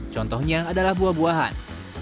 contohnya adalah buah buahan